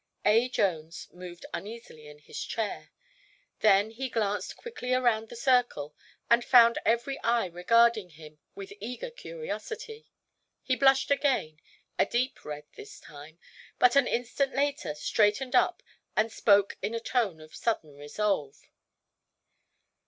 A. Jones moved uneasily in his chair. Then he glanced quickly around the circle and found every eye regarding him with eager curiosity. He blushed again, a deep red this time, but an instant later straightened up and spoke in a tone of sudden resolve.